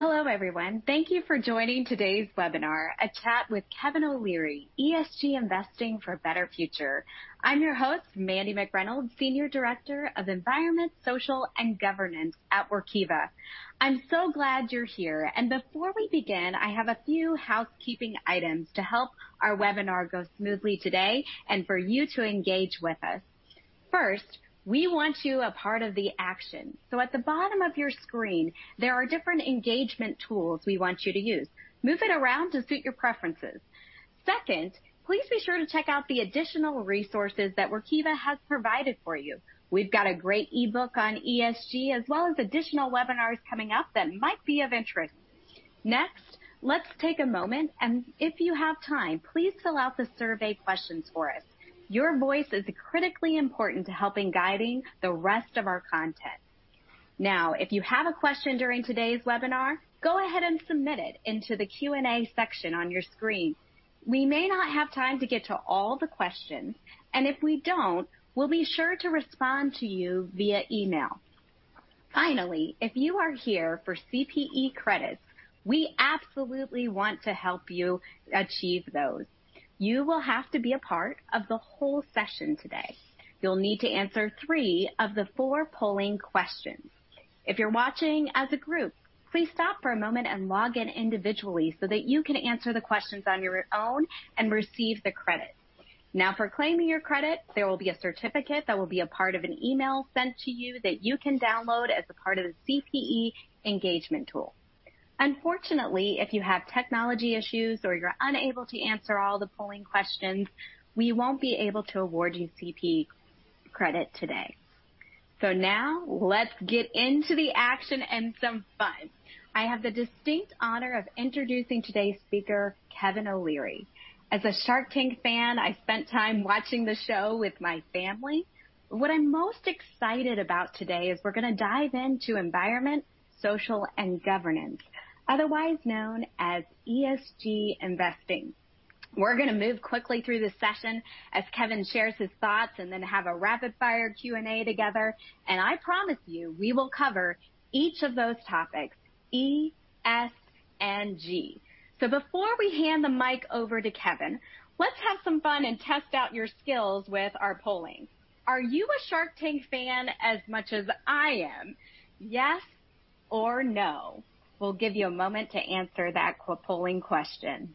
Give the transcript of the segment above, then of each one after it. Hello, everyone. Thank you for joining today's webinar, A Chat with Kevin O'Leary, ESG Investing for a Better Future. I'm your host, Mandy McReynolds, Senior Director of Environmental, Social, and Governance at Workiva. I'm so glad you're here, and before we begin, I have a few housekeeping items to help our webinar go smoothly today and for you to engage with us. First, we want you a part of the action. So at the bottom of your screen, there are different engagement tools we want you to use. Move it around to suit your preferences. Second, please be sure to check out the additional resources that Workiva has provided for you. We've got a great e-book on ESG, as well as additional webinars coming up that might be of interest. Next, let's take a moment, and if you have time, please fill out the survey questions for us. Your voice is critically important to help in guiding the rest of our content. Now, if you have a question during today's webinar, go ahead and submit it into the Q&A section on your screen. We may not have time to get to all the questions, and if we don't, we'll be sure to respond to you via email. Finally, if you are here for CPE credits, we absolutely want to help you achieve those. You will have to be a part of the whole session today. You'll need to answer three of the four polling questions. If you're watching as a group, please stop for a moment and log in individually so that you can answer the questions on your own and receive the credit. Now, for claiming your credit, there will be a certificate that will be a part of an email sent to you that you can download as a part of the CPE engagement tool. Unfortunately, if you have technology issues or you're unable to answer all the polling questions, we won't be able to award you CPE credit today. So now, let's get into the action and some fun. I have the distinct honor of introducing today's speaker, Kevin O'Leary. As a Shark Tank fan, I spent time watching the show with my family. What I'm most excited about today is we're going to dive into Environmental, Social, and Governance, otherwise known as ESG Investing. We're going to move quickly through this session as Kevin shares his thoughts and then have a rapid-fire Q&A together, and I promise you, we will cover each of those topics, E, S, and G. So before we hand the mic over to Kevin, let's have some fun and test out your skills with our polling. Are you a Shark Tank fan as much as I am? Yes or no? We'll give you a moment to answer that polling question.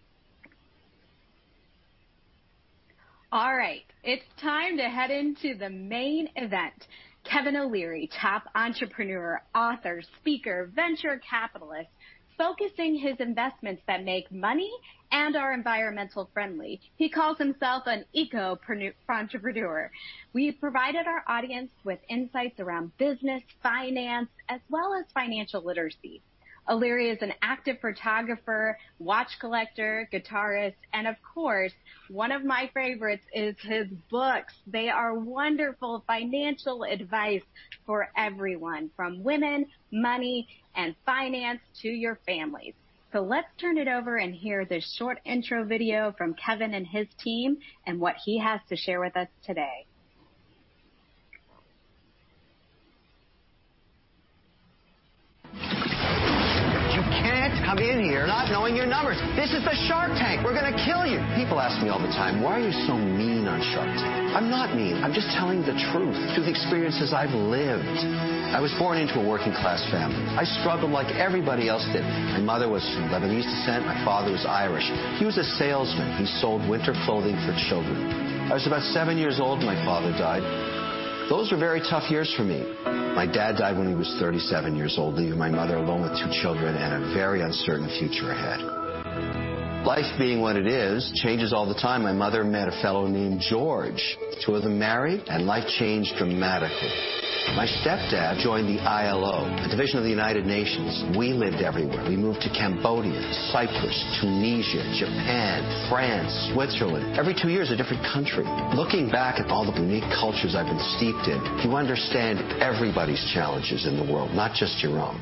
All right, it's time to head into the main event. Kevin O'Leary, top entrepreneur, author, speaker, venture capitalist, focusing on his investments that make money and are environmentally friendly. He calls himself an eco-entrepreneur. We provided our audience with insights around business, finance, as well as financial literacy. O'Leary is an active photographer, watch collector, guitarist, and of course, one of my favorites is his books. They are wonderful financial advice for everyone, from women, money, and finance to your families. Let's turn it over and hear the short intro video from Kevin and his team and what he has to share with us today. You can't come in here not knowing your numbers. This is the Shark Tank. We're going to kill you. People ask me all the time, why are you so mean on Shark Tank? I'm not mean. I'm just telling the truth through the experiences I've lived. I was born into a working-class family. I struggled like everybody else did. My mother was Lebanese descent. My father was Irish. He was a salesman. He sold winter clothing for children. I was about seven years old when my father died. Those were very tough years for me. My dad died when he was 37 years old, leaving my mother alone with two children and a very uncertain future ahead. Life being what it is, changes all the time. My mother met a fellow named George. The two of them married, and life changed dramatically. My stepdad joined the ILO, a division of the United Nations. We lived everywhere. We moved to Cambodia, Cyprus, Tunisia, Japan, France, Switzerland. Every two years, a different country. Looking back at all the unique cultures I've been steeped in, you understand everybody's challenges in the world, not just your own.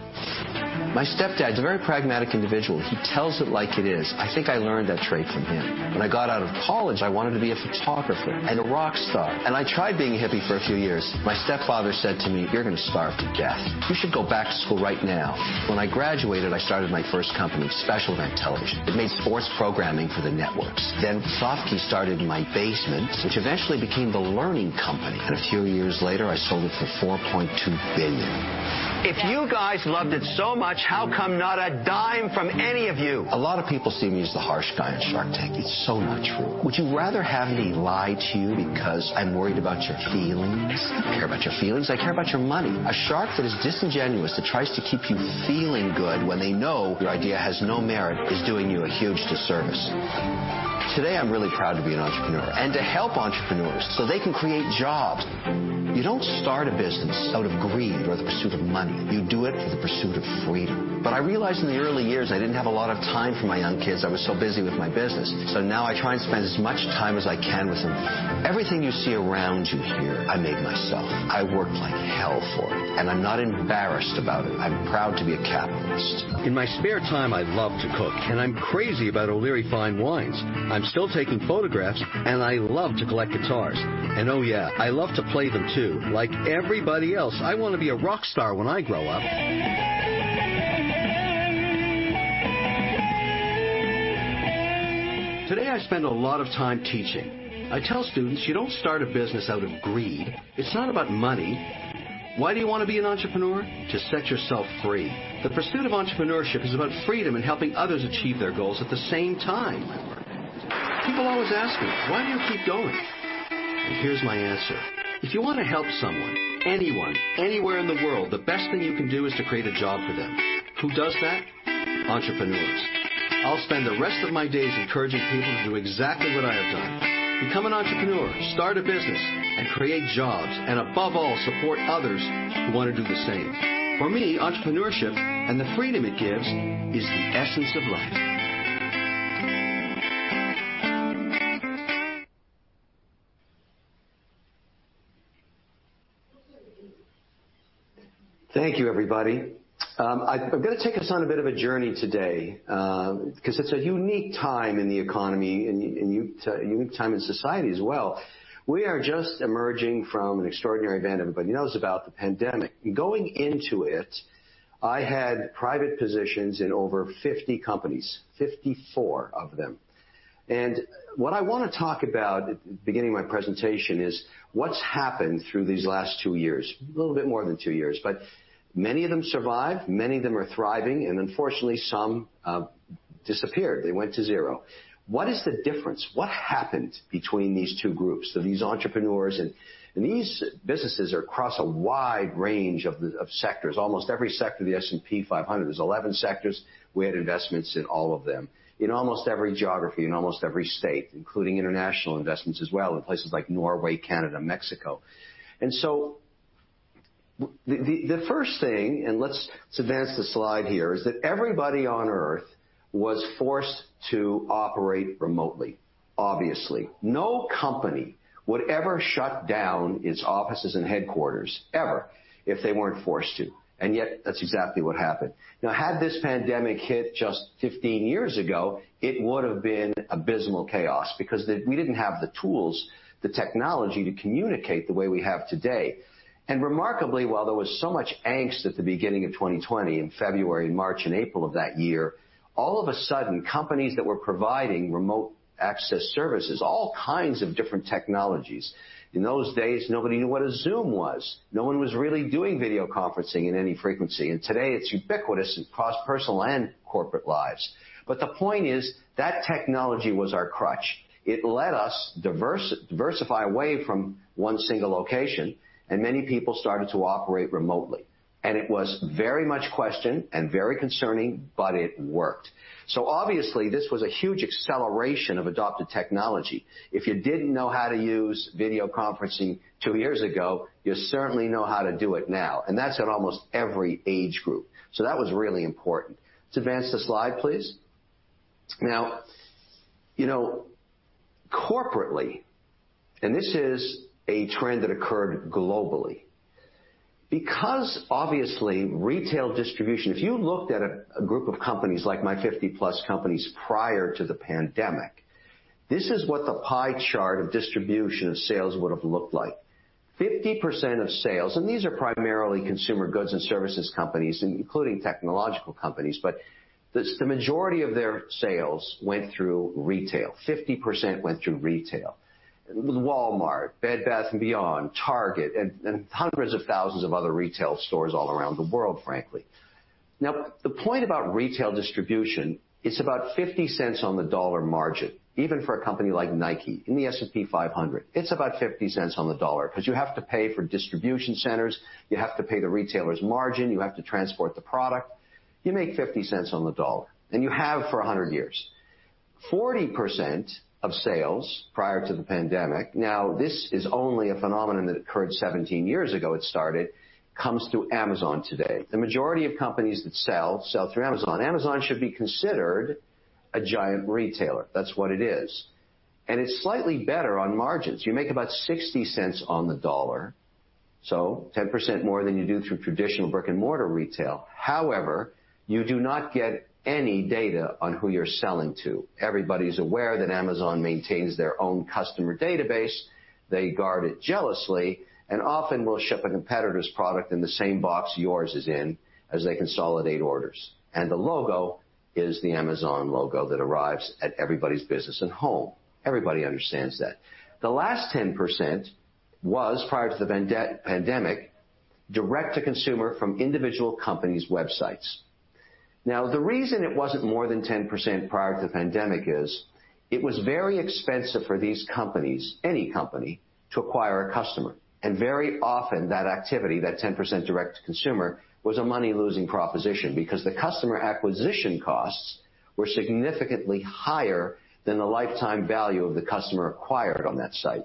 My stepdad's a very pragmatic individual. He tells it like it is. I think I learned that trait from him. When I got out of college, I wanted to be a photographer and a rock star, and I tried being a hippie for a few years. My stepfather said to me, you're going to starve to death. You should go back to school right now. When I graduated, I started my first company, Special Event Television. It made sports programming for the networks. Then SoftKey started in my basement, which eventually became The Learning Company. A few years later, I sold it for $4.2 billion. If you guys loved it so much, how come not a dime from any of you? A lot of people see me as the harsh guy on Shark Tank. It's so not true. Would you rather have me lie to you because I'm worried about your feelings? I don't care about your feelings. I care about your money. A shark that is disingenuous, that tries to keep you feeling good when they know your idea has no merit, is doing you a huge disservice. Today, I'm really proud to be an entrepreneur and to help entrepreneurs so they can create jobs. You don't start a business out of greed or the pursuit of money. You do it for the pursuit of freedom. But I realized in the early years I didn't have a lot of time for my young kids. I was so busy with my business. So now I try and spend as much time as I can with them. Everything you see around you here, I made myself. I worked like hell for it. And I'm not embarrassed about it. I'm proud to be a capitalist. In my spare time, I love to cook. And I'm crazy about O'Leary Fine Wines. I'm still taking photographs. And I love to collect guitars. And oh, yeah, I love to play them too. Like everybody else, I want to be a rock star when I grow up. Today, I spend a lot of time teaching. I tell students, you don't start a business out of greed. It's not about money. Why do you want to be an entrepreneur? To set yourself free. The pursuit of entrepreneurship is about freedom and helping others achieve their goals at the same time. People always ask me why do you keep going, and here's my answer. If you want to help someone, anyone, anywhere in the world, the best thing you can do is to create a job for them. Who does that? Entrepreneurs. I'll spend the rest of my days encouraging people to do exactly what I have done. Become an entrepreneur. Start a business, and create jobs, and above all, support others who want to do the same. For me, entrepreneurship and the freedom it gives is the essence of life. Thank you, everybody. I'm going to take us on a bit of a journey today because it's a unique time in the economy and a unique time in society as well. We are just emerging from an extraordinary event everybody knows about, the pandemic. Going into it, I had private positions in over 50 companies, 54 of them. And what I want to talk about at the beginning of my presentation is what's happened through these last two years, a little bit more than two years. But many of them survived. Many of them are thriving. And unfortunately, some disappeared. They went to zero. What is the difference? What happened between these two groups, these entrepreneurs? And these businesses are across a wide range of sectors. Almost every sector of the S&P 500. There's 11 sectors. We had investments in all of them, in almost every geography, in almost every state, including international investments as well in places like Norway, Canada, Mexico. And so the first thing, and let's advance the slide here, is that everybody on Earth was forced to operate remotely, obviously. No company would ever shut down its offices and headquarters ever if they weren't forced to. And yet, that's exactly what happened. Now, had this pandemic hit just 15 years ago, it would have been abysmal chaos because we didn't have the tools, the technology to communicate the way we have today. And remarkably, while there was so much angst at the beginning of 2020, in February, March, and April of that year, all of a sudden, companies that were providing remote access services, all kinds of different technologies in those days, nobody knew what a Zoom was. No one was really doing video conferencing at any frequency. And today, it's ubiquitous across personal and corporate lives. But the point is that technology was our crutch. It let us diversify away from one single location. And many people started to operate remotely. And it was very much questioned and very concerning, but it worked. So obviously, this was a huge acceleration of adopted technology. If you didn't know how to use video conferencing two years ago, you certainly know how to do it now. And that's in almost every age group. So that was really important. Let's advance the slide, please. Now, you know, corporately, and this is a trend that occurred globally, because obviously, retail distribution, if you looked at a group of companies, like my 50-plus companies prior to the pandemic, this is what the pie chart of distribution of sales would have looked like. 50% of sales, and these are primarily consumer goods and services companies, including technological companies, but the majority of their sales went through retail. 50% went through retail. Walmart, Bed Bath & Beyond, Target, and hundreds of thousands of other retail stores all around the world, frankly. Now, the point about retail distribution, it's about $0.50 on the dollar margin, even for a company like Nike. In the S&P 500, it's about $0.50 on the dollar because you have to pay for distribution centers. You have to pay the retailer's margin. You have to transport the product. You make $0.50 on the dollar. And you have for 100 years. 40% of sales prior to the pandemic, now this is only a phenomenon that occurred 17 years ago, it started, comes through Amazon today. The majority of companies that sell, sell through Amazon. Amazon should be considered a giant retailer. That's what it is. And it's slightly better on margins. You make about $0.60 on the dollar, so 10% more than you do through traditional brick-and-mortar retail. However, you do not get any data on who you're selling to. Everybody is aware that Amazon maintains their own customer database. They guard it jealously. And often, they'll ship a competitor's product in the same box yours is in as they consolidate orders. And the logo is the Amazon logo that arrives at everybody's business and home. Everybody understands that. The last 10% was, prior to the pandemic, direct-to-consumer from individual companies' websites. Now, the reason it wasn't more than 10% prior to the pandemic is it was very expensive for these companies, any company, to acquire a customer. And very often, that activity, that 10% direct-to-consumer, was a money-losing proposition because the customer acquisition costs were significantly higher than the lifetime value of the customer acquired on that site.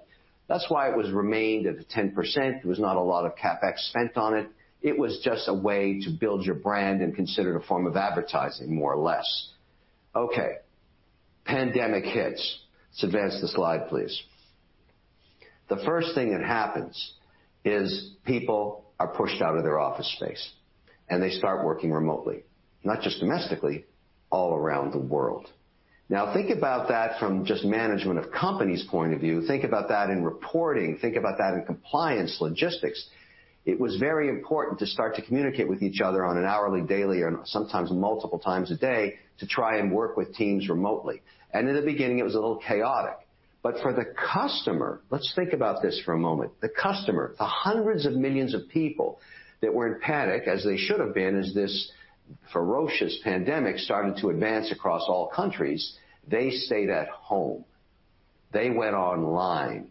That's why it was remained at 10%. There was not a lot of CapEx spent on it. It was just a way to build your brand and consider it a form of advertising, more or less. OK, pandemic hits. Let's advance the slide, please. The first thing that happens is people are pushed out of their office space, and they start working remotely, not just domestically, all around the world. Now, think about that from just management of companies' point of view. Think about that in reporting. Think about that in compliance, logistics. It was very important to start to communicate with each other on an hourly, daily, or sometimes multiple times a day to try and work with teams remotely, and in the beginning, it was a little chaotic, but for the customer, let's think about this for a moment. The customer, the hundreds of millions of people that were in panic, as they should have been as this ferocious pandemic started to advance across all countries, they stayed at home. They went online.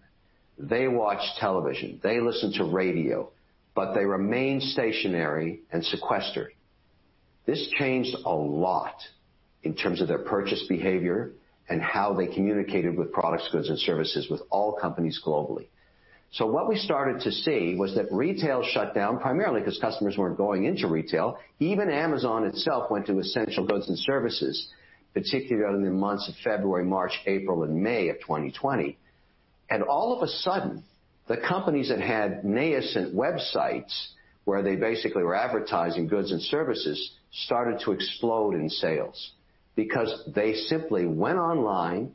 They watched television. They listened to radio, but they remained stationary and sequestered. This changed a lot in terms of their purchase behavior and how they communicated with products, goods, and services with all companies globally, so what we started to see was that retail shut down primarily because customers weren't going into retail. Even Amazon itself went to essential goods and services, particularly in the months of February, March, April, and May of 2020, and all of a sudden, the companies that had nascent websites where they basically were advertising goods and services started to explode in sales because they simply went online,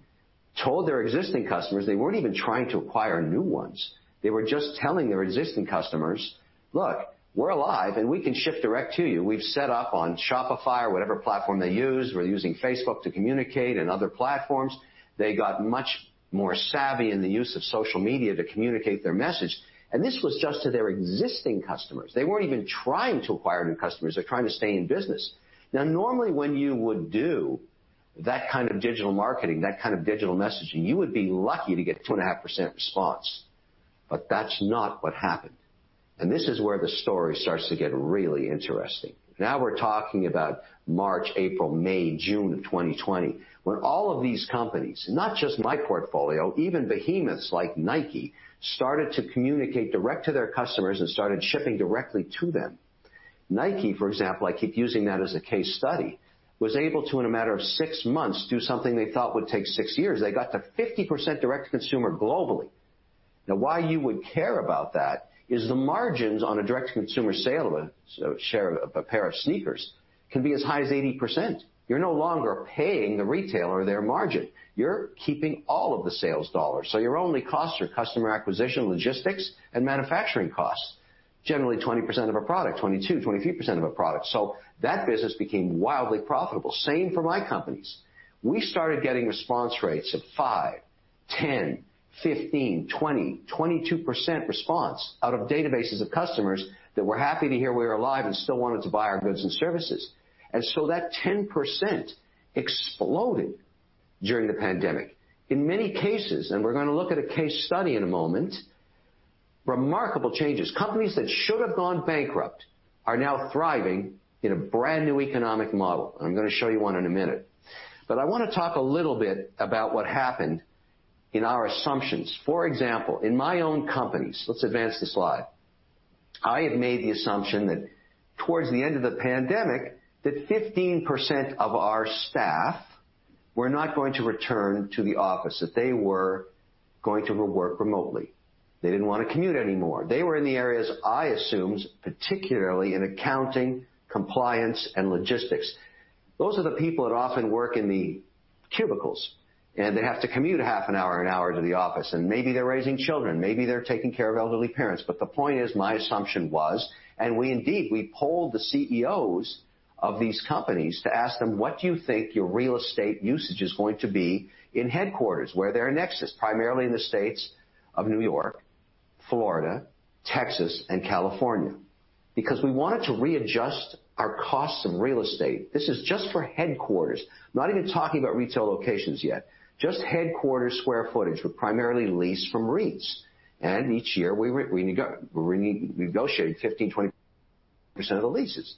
told their existing customers. They weren't even trying to acquire new ones. They were just telling their existing customers, look, we're alive, and we can ship direct to you. We've set up on Shopify or whatever platform they use. We're using Facebook to communicate and other platforms. They got much more savvy in the use of social media to communicate their message. And this was just to their existing customers. They weren't even trying to acquire new customers. They're trying to stay in business. Now, normally, when you would do that kind of digital marketing, that kind of digital messaging, you would be lucky to get 2.5% response. But that's not what happened. And this is where the story starts to get really interesting. Now we're talking about March, April, May, June of 2020, when all of these companies, not just my portfolio, even behemoths like Nike, started to communicate direct to their customers and started shipping directly to them. Nike, for example, I keep using that as a case study, was able to, in a matter of six months, do something they thought would take six years. They got to 50% direct-to-consumer globally. Now, why you would care about that is the margins on a direct-to-consumer sale of a pair of sneakers can be as high as 80%. You're no longer paying the retailer their margin. You're keeping all of the sales dollars. So your only costs are customer acquisition, logistics, and manufacturing costs, generally 20% of a product, 22%, 23% of a product. So that business became wildly profitable. Same for my companies. We started getting response rates of 5%, 10%, 15%, 20%, 22% response out of databases of customers that were happy to hear we were alive and still wanted to buy our goods and services, and so that 10% exploded during the pandemic. In many cases, and we're going to look at a case study in a moment, remarkable changes. Companies that should have gone bankrupt are now thriving in a brand new economic model, and I'm going to show you one in a minute, but I want to talk a little bit about what happened in our assumptions. For example, in my own companies, let's advance the slide. I had made the assumption that towards the end of the pandemic, that 15% of our staff were not going to return to the office, that they were going to work remotely. They didn't want to commute anymore. They were in the areas I assumed, particularly in accounting, compliance, and logistics. Those are the people that often work in the cubicles, and they have to commute a half an hour, an hour to the office, and maybe they're raising children. Maybe they're taking care of elderly parents. But the point is, my assumption was, and we indeed, we polled the CEOs of these companies to ask them, what do you think your real estate usage is going to be in headquarters where their nexus, primarily in the states of New York, Florida, Texas, and California? Because we wanted to readjust our costs of real estate. This is just for headquarters, not even talking about retail locations yet. Just headquarters square footage were primarily leased from REITs. And each year, we negotiated 15%-20% of the leases.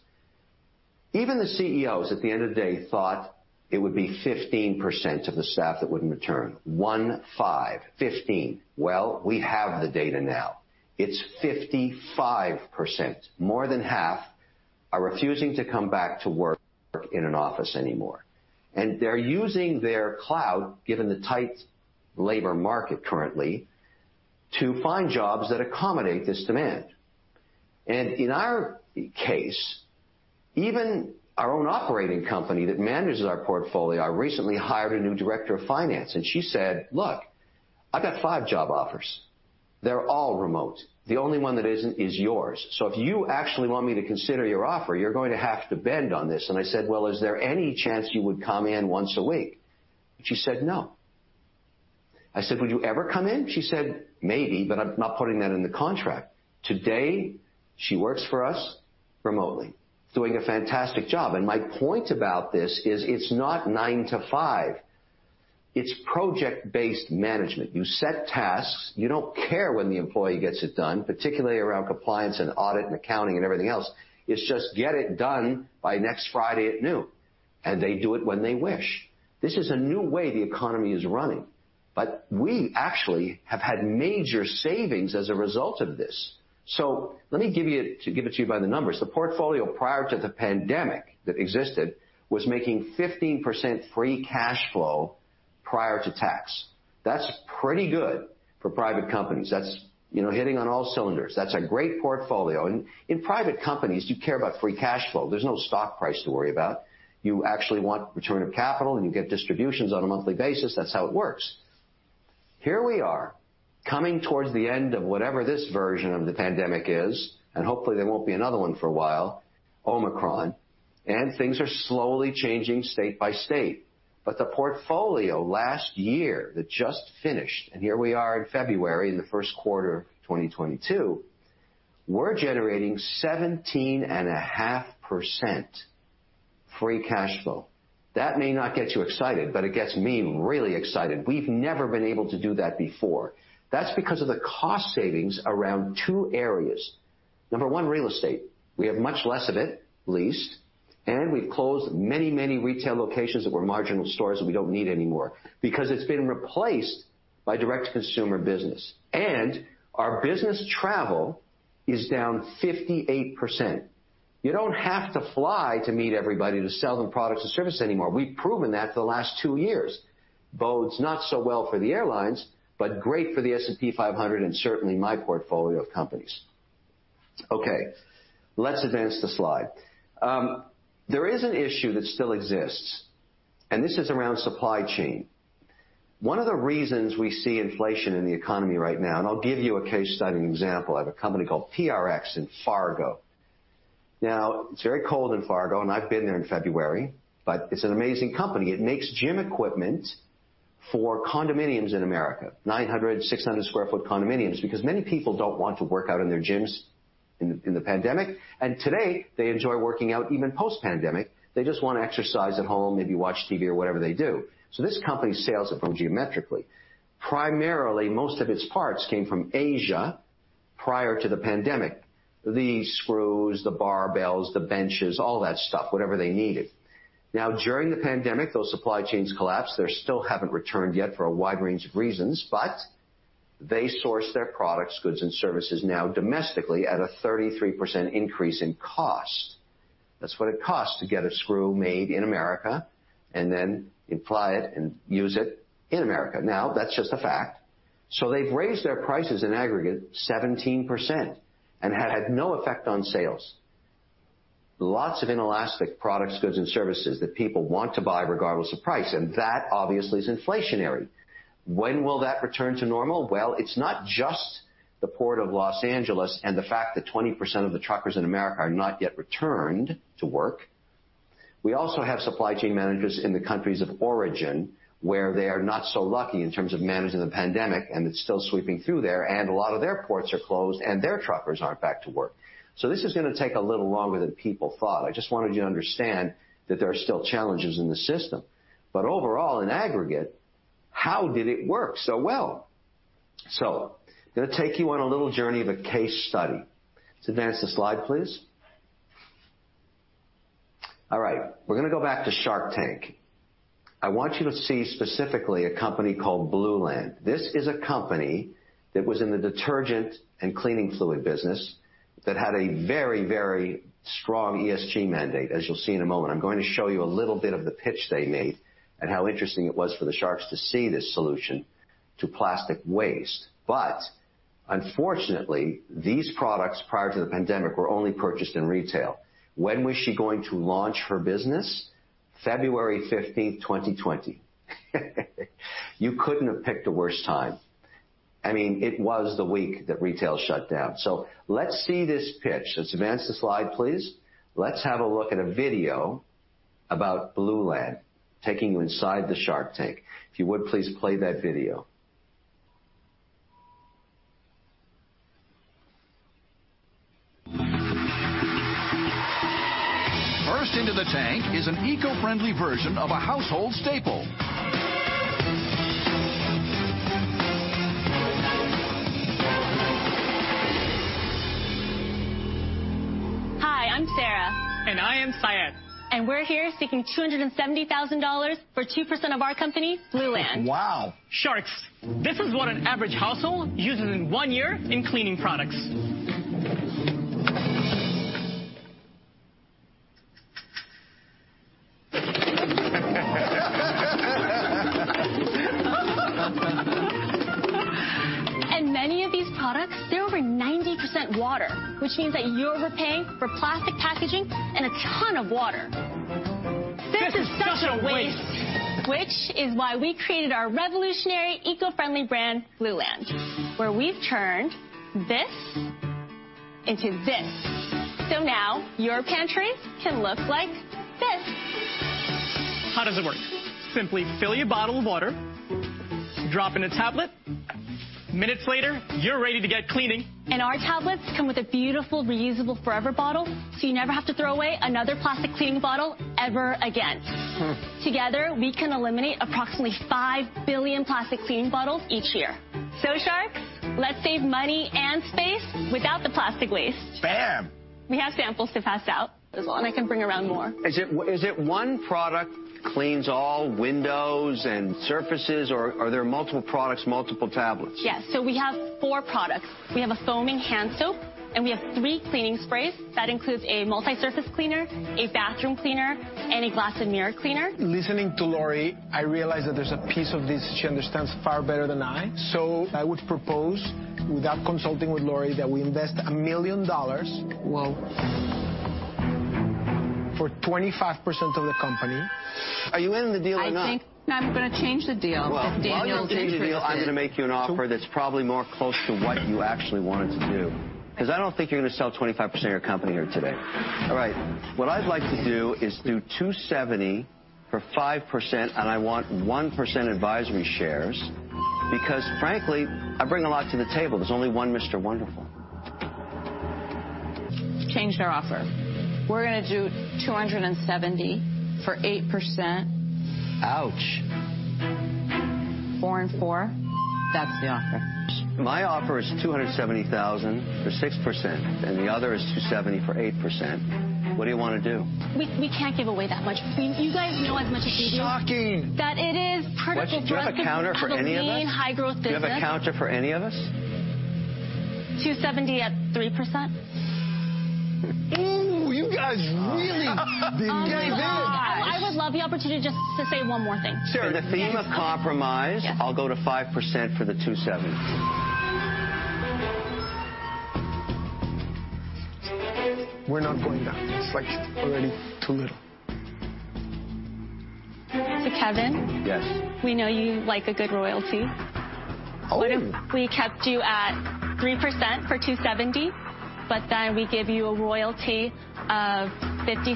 Even the CEOs, at the end of the day, thought it would be 15% of the staff that wouldn't return. One, five, 15. Well, we have the data now. It's 55%. More than half are refusing to come back to work in an office anymore. They're using their cloud, given the tight labor market currently, to find jobs that accommodate this demand. In our case, even our own operating company that manages our portfolio recently hired a new director of finance. She said, look, I've got five job offers. They're all remote. The only one that isn't is yours. So if you actually want me to consider your offer, you're going to have to bend on this. I said, well, is there any chance you would come in once a week? She said, no. I said, would you ever come in? She said, maybe, but I'm not putting that in the contract. Today, she works for us remotely, doing a fantastic job. My point about this is it's not 9:00 A.M. to 5:00 P.M. It's project-based management. You set tasks. You don't care when the employee gets it done, particularly around compliance and audit and accounting and everything else. It's just get it done by next Friday at noon, and they do it when they wish. This is a new way the economy is running, but we actually have had major savings as a result of this, so let me give it to you by the numbers. The portfolio prior to the pandemic that existed was making 15% free cash flow prior to tax. That's pretty good for private companies. That's hitting on all cylinders. That's a great portfolio, and in private companies, you care about free cash flow. There's no stock price to worry about. You actually want return of capital, and you get distributions on a monthly basis. That's how it works. Here we are, coming towards the end of whatever this version of the pandemic is. Hopefully, there won't be another one for a while, Omicron. Things are slowly changing state by state. The portfolio last year that just finished, and here we are in February in the first quarter of 2022, we're generating 17.5% free cash flow. That may not get you excited, but it gets me really excited. We've never been able to do that before. That's because of the cost savings around two areas. Number one, real estate. We have much less of it, leased. We've closed many, many retail locations that were marginal stores that we don't need anymore because it's been replaced by direct-to-consumer business. Our business travel is down 58%. You don't have to fly to meet everybody to sell them products and services anymore. We've proven that for the last two years, both not so well for the airlines, but great for the S&P 500 and certainly my portfolio of companies. OK, let's advance the slide. There is an issue that still exists, and this is around supply chain. One of the reasons we see inflation in the economy right now, and I'll give you a case study and example. I have a company called PRx in Fargo. Now, it's very cold in Fargo, and I've been there in February, but it's an amazing company. It makes gym equipment for condominiums in America, 900 sq ft, 600 sq ft condominiums, because many people don't want to work out in their gyms in the pandemic. And today, they enjoy working out even post-pandemic. They just want to exercise at home, maybe watch TV or whatever they do. So this company sells it from geometrically. Primarily, most of its parts came from Asia prior to the pandemic, the screws, the barbells, the benches, all that stuff, whatever they needed. Now, during the pandemic, those supply chains collapsed. They still haven't returned yet for a wide range of reasons. But they source their products, goods, and services now domestically at a 33% increase in cost. That's what it costs to get a screw made in America and then apply it and use it in America. Now, that's just a fact. So they've raised their prices in aggregate 17% and had no effect on sales. Lots of inelastic products, goods, and services that people want to buy regardless of price. And that obviously is inflationary. When will that return to normal? Well, it's not just the port of Los Angeles and the fact that 20% of the truckers in America are not yet returned to work. We also have supply chain managers in the countries of origin where they are not so lucky in terms of managing the pandemic. And it's still sweeping through there. And a lot of their ports are closed. And their truckers aren't back to work. So this is going to take a little longer than people thought. I just wanted you to understand that there are still challenges in the system. But overall, in aggregate, how did it work so well? So I'm going to take you on a little journey of a case study. Let's advance the slide, please. All right, we're going to go back to Shark Tank. I want you to see specifically a company called Blueland. This is a company that was in the detergent and cleaning fluid business that had a very, very strong ESG mandate, as you'll see in a moment. I'm going to show you a little bit of the pitch they made and how interesting it was for the sharks to see this solution to plastic waste. But unfortunately, these products prior to the pandemic were only purchased in retail. When was she going to launch her business? February 15, 2020. You couldn't have picked a worse time. I mean, it was the week that retail shut down. So let's see this pitch. Let's advance the slide, please. Let's have a look at a video about Blueland taking you inside the Shark Tank. If you would, please play that video. First into the tank is an eco-friendly version of a household staple. Hi, I'm Sarah. And I am Syed. And we're here seeking $270,000 for 2% of our company, Blueland. Wow. Sharks, this is what an average household uses in one year in cleaning products. Many of these products, they're over 90% water, which means that you're paying for plastic packaging and a ton of water. This is such a waste, which is why we created our revolutionary eco-friendly brand, Blueland, where we've turned this into this. So now your pantry can look like this. How does it work? Simply fill your bottle with water, drop in a tablet. Minutes later, you're ready to get cleaning. And our tablets come with a beautiful, reusable forever bottle, so you never have to throw away another plastic cleaning bottle ever again. Together, we can eliminate approximately 5 billion plastic cleaning bottles each year. So, sharks, let's save money and space without the plastic waste. Bam. We have samples to pass out. And I can bring around more. Is it one product cleans all windows and surfaces, or are there multiple products, multiple tablets? Yes, so we have four products. We have a foaming hand soap. And we have three cleaning sprays that include a multi-surface cleaner, a bathroom cleaner, and a glass and mirror cleaner. Listening to Lori, I realized that there's a piece of this she understands far better than I. So I would propose, without consulting with Lori, that we invest $1 million for 25% of the company. Are you in the deal or not? I think I'm going to change the deal. Well, on your deal, I'm going to make you an offer that's probably more close to what you actually wanted to do. Because I don't think you're going to sell 25% of your company here today. All right, what I'd like to do is do $270,000 for 5%. And I want 1% advisory shares. Because frankly, I bring a lot to the table. There's only one Mr. Wonderful. Change our offer. We're going to do $270,000 for 8%. Ouch. 4 and 4, that's the offer. My offer is $270,000 for 6%. And the other is $270,000 for 8%. What do you want to do? We can't give away that much. You guys know as much as we do that it is perfect for us. Do you have a counter for any of us? You have a counter for any of us? $270,000 at 3%. Ooh, you guys really did get it. I would love the opportunity just to say one more thing. So in the theme of compromise, I'll go to 5% for the $270,000. We're not going down. It's like already too little. So, Kevin, we know you like a good royalty. Oh, I do. We kept you at 3% for $270,000. But then we give you a royalty of $0.50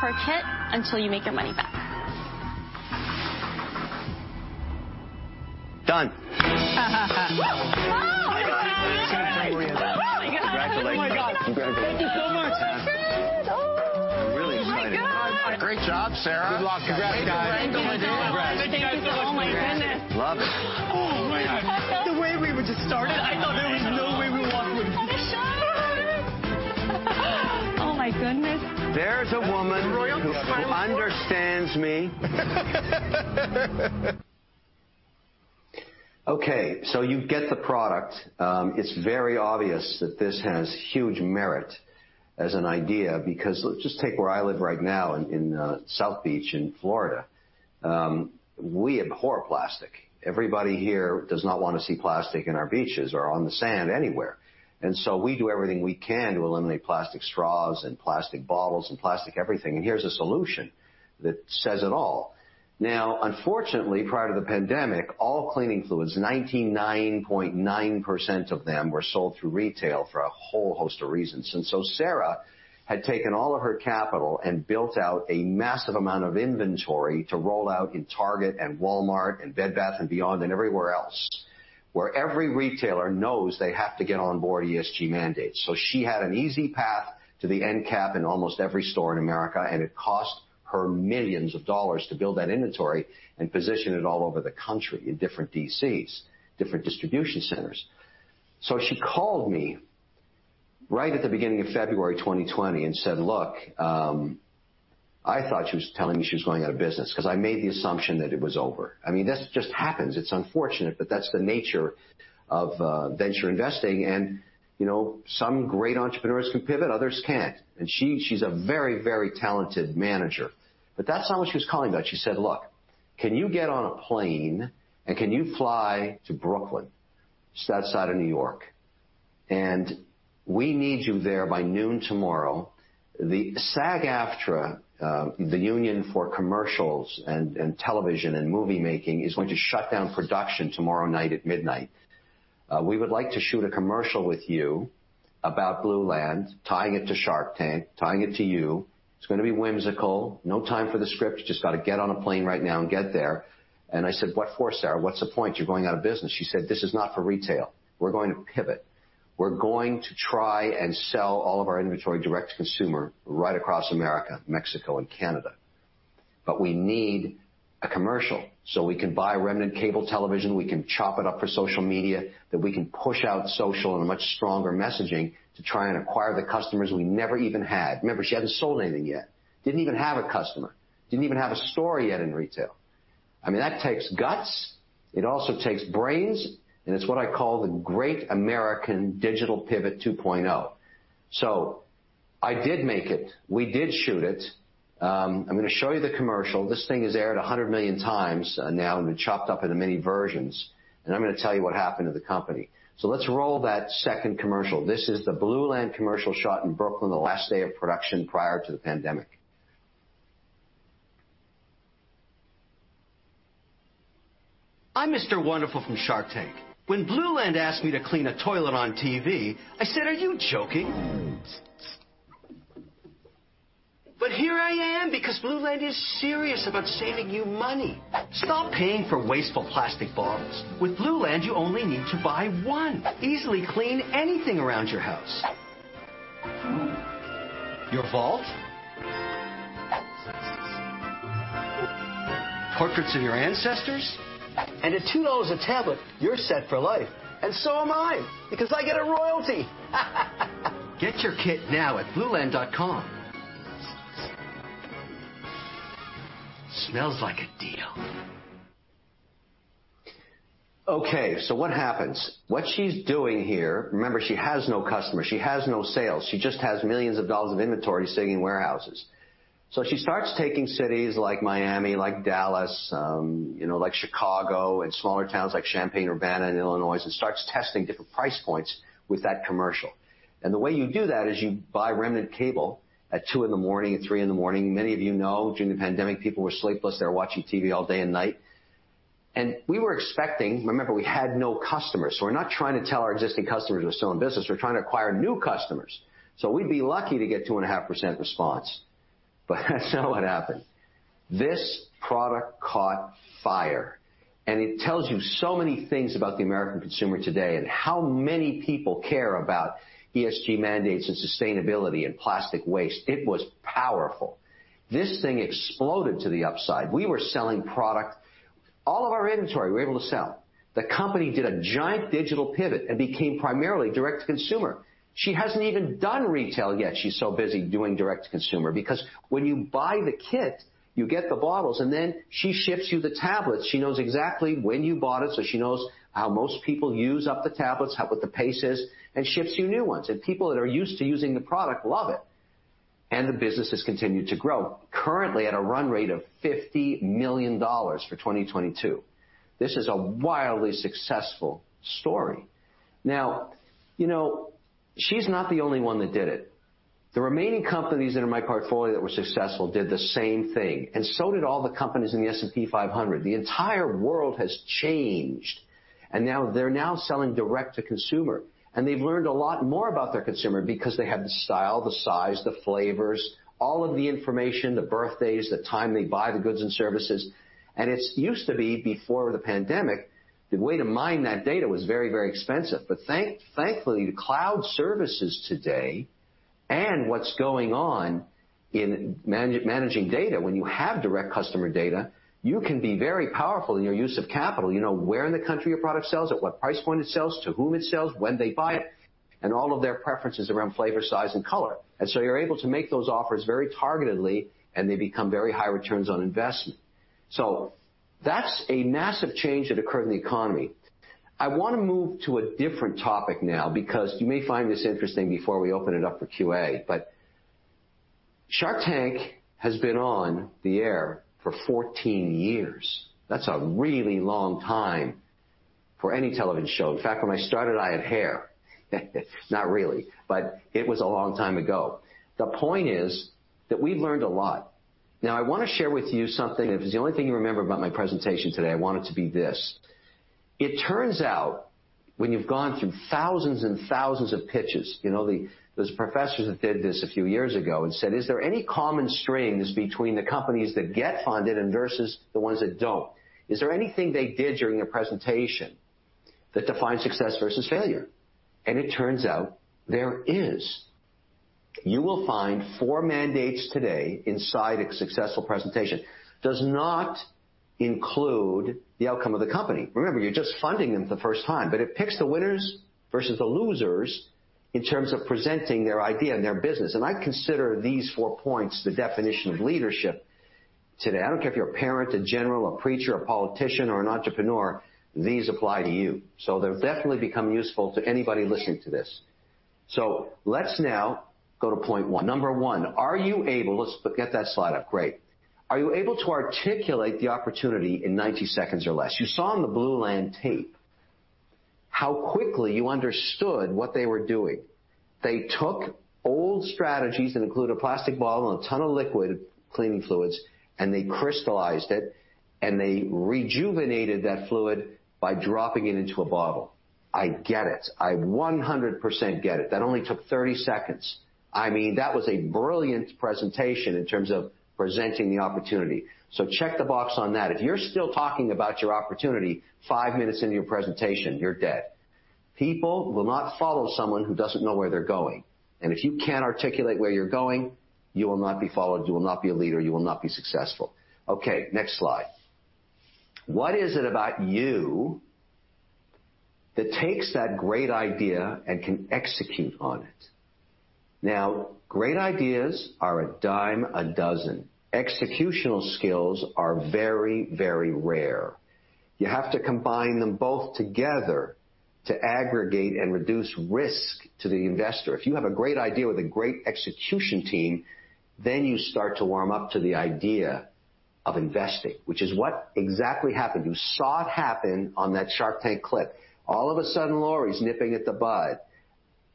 per kit until you make your money back. Done. Whoo! Congratulations. Thank you so much. Oh, really? Oh, my God. Great job, Sarah. Congratulations. Thank you. Oh, my goodness. Love it. Oh, my God. The way we just started, I thought there was no way we walked away. Oh, my goodness. There's a woman who understands me. OK, so you get the product. It's very obvious that this has huge merit as an idea. Because let's just take where I live right now in South Beach in Florida. We abhor plastic. Everybody here does not want to see plastic in our beaches or on the sand anywhere. And so we do everything we can to eliminate plastic straws and plastic bottles and plastic everything. And here's a solution that says it all. Now, unfortunately, prior to the pandemic, all cleaning fluids, 99.9% of them were sold through retail for a whole host of reasons. And so Sarah had taken all of her capital and built out a massive amount of inventory to roll out in Target and Walmart and Bed Bath & Beyond and everywhere else where every retailer knows they have to get on board ESG mandates. So she had an easy path to the end cap in almost every store in America. And it cost her millions of dollars to build that inventory and position it all over the country in different DCs, different distribution centers. So she called me right at the beginning of February 2020 and said, look, I thought she was telling me she was going out of business because I made the assumption that it was over. I mean, this just happens. It's unfortunate. But that's the nature of venture investing. And some great entrepreneurs can pivot. Others can't. And she's a very, very talented manager. But that's not what she was calling about. She said, "Look, can you get on a plane and can you fly to Brooklyn, outside of New York? And we need you there by noon tomorrow. The SAG-AFTRA, the Union for Commercials and Television and Moviemaking, is going to shut down production tomorrow night at midnight. We would like to shoot a commercial with you about Blueland, tying it to Shark Tank, tying it to you. It's going to be whimsical. No time for the script. You just got to get on a plane right now and get there." And I said, "What for, Sarah? What's the point? You're going out of business." She said, "This is not for retail. We're going to pivot. We're going to try and sell all of our inventory direct to consumer right across America, Mexico, and Canada. But we need a commercial so we can buy remnant cable television. We can chop it up for social media, that we can push out social and much stronger messaging to try and acquire the customers we never even had. Remember, she hadn't sold anything yet, didn't even have a customer, didn't even have a store yet in retail. I mean, that takes guts. It also takes brains. And it's what I call the Great American Digital Pivot 2.0. So I did make it. We did shoot it. I'm going to show you the commercial. This thing has aired 100 million times now. And we chopped up into many versions. And I'm going to tell you what happened to the company. So let's roll that second commercial. This is the Blueland commercial shot in Brooklyn, the last day of production prior to the pandemic. I'm Mr. Wonderful from Shark Tank. When Blueland asked me to clean a toilet on TV, I said, are you joking? But here I am because Blueland is serious about saving you money. Stop paying for wasteful plastic bottles. With Blueland, you only need to buy one. Easily clean anything around your house. Your vault, portraits of your ancestors. And at $2 a tablet, you're set for life. And so am I because I get a royalty. Get your kit now at blueland.com. Smells like a deal. OK, so what happens? What she's doing here, remember, she has no customers. She has no sales. She just has millions of dollars of inventory sitting in warehouses. So she starts taking cities like Miami, like Dallas, like Chicago, and smaller towns like Champaign-Urbana in Illinois, and starts testing different price points with that commercial. And the way you do that is you buy remnant cable at 2:00 A.M. in the morning and 3:00 A.M. in the morning. Many of you know, during the pandemic, people were sleepless. They were watching TV all day and night. And we were expecting, remember, we had no customers. So we're not trying to tell our existing customers we're still in business. We're trying to acquire new customers. So we'd be lucky to get 2.5% response. But that's not what happened. This product caught fire. And it tells you so many things about the American consumer today and how many people care about ESG mandates and sustainability and plastic waste. It was powerful. This thing exploded to the upside. We were selling product. All of our inventory we were able to sell. The company did a giant digital pivot and became primarily direct to consumer. She hasn't even done retail yet. She's so busy doing direct to consumer. Because when you buy the kit, you get the bottles. And then she ships you the tablets. She knows exactly when you bought it. So she knows how most people use up the tablets, what the pace is, and ships you new ones. And people that are used to using the product love it. And the business has continued to grow, currently at a run rate of $50 million for 2022. This is a wildly successful story. Now, you know she's not the only one that did it. The remaining companies that are in my portfolio that were successful did the same thing. And so did all the companies in the S&P 500. The entire world has changed. And now they're selling direct to consumer. And they've learned a lot more about their consumer because they have the style, the size, the flavors, all of the information, the birthdays, the time they buy the goods and services. And it used to be, before the pandemic, the way to mine that data was very, very expensive. But thankfully, the cloud services today and what's going on in managing data, when you have direct customer data, you can be very powerful in your use of capital. You know where in the country your product sells, at what price point it sells, to whom it sells, when they buy it, and all of their preferences around flavor, size, and color. And so you're able to make those offers very targetedly. And they become very high returns on investment. So that's a massive change that occurred in the economy. I want to move to a different topic now because you may find this interesting before we open it up for QA. But Shark Tank has been on the air for 14 years. That's a really long time for any television show. In fact, when I started, I had hair. Not really. But it was a long time ago. The point is that we've learned a lot. Now, I want to share with you something. If it's the only thing you remember about my presentation today, I want it to be this. It turns out, when you've gone through thousands and thousands of pitches, you know there's professors that did this a few years ago and said, is there any common strings between the companies that get funded and versus the ones that don't? Is there anything they did during their presentation that defines success versus failure? And it turns out there is. You will find four mandates today inside a successful presentation. Does not include the outcome of the company. Remember, you're just funding them for the first time. But it picks the winners versus the losers in terms of presenting their idea and their business. And I consider these four points the definition of leadership today. I don't care if you're a parent, a general, a preacher, a politician, or an entrepreneur. These apply to you. So they'll definitely become useful to anybody listening to this. So let's now go to point one. Number one. Let's get that slide up. Great. Are you able to articulate the opportunity in 90 seconds or less? You saw on the Blueland tape how quickly you understood what they were doing. They took old strategies that included a plastic bottle and a ton of liquid cleaning fluids, and they crystallized it, and they rejuvenated that fluid by dropping it into a bottle. I get it. I 100% get it. That only took 30 seconds. I mean, that was a brilliant presentation in terms of presenting the opportunity, so check the box on that. If you're still talking about your opportunity five minutes into your presentation, you're dead. People will not follow someone who doesn't know where they're going, and if you can't articulate where you're going, you will not be followed. You will not be a leader. You will not be successful. OK, next slide. What is it about you that takes that great idea and can execute on it? Now, great ideas are a dime a dozen. Executional skills are very, very rare. You have to combine them both together to aggregate and reduce risk to the investor. If you have a great idea with a great execution team, then you start to warm up to the idea of investing, which is what exactly happened. You saw it happen on that Shark Tank clip. All of a sudden, Lori's nipping at the bud.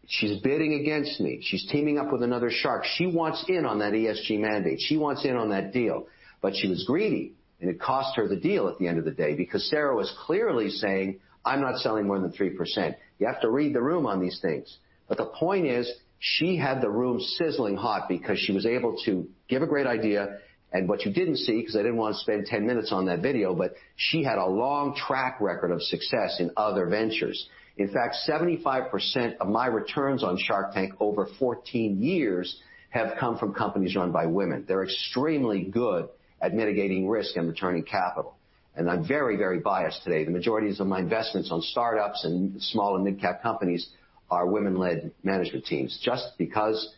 She's bidding against me. She's teaming up with another shark. She wants in on that ESG mandate. She wants in on that deal. But she was greedy, and it cost her the deal at the end of the day because Sarah was clearly saying, I'm not selling more than 3%. You have to read the room on these things, but the point is, she had the room sizzling hot because she was able to give a great idea. What you didn't see, because I didn't want to spend 10 minutes on that video, but she had a long track record of success in other ventures. In fact, 75% of my returns on Shark Tank over 14 years have come from companies run by women. They're extremely good at mitigating risk and returning capital. I'm very, very biased today. The majority of my investments on startups and small and mid-cap companies are women-led management teams just because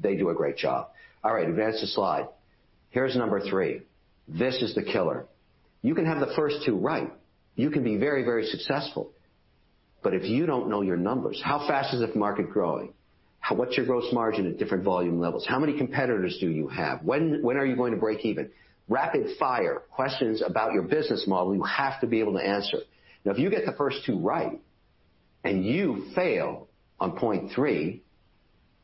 they do a great job. All right, advance the slide. Here's number three. This is the killer. You can have the first two right. You can be very, very successful. If you don't know your numbers, how fast is the market growing? What's your gross margin at different volume levels? How many competitors do you have? When are you going to break even? Rapid-fire questions about your business model you have to be able to answer. Now, if you get the first two right and you fail on point three,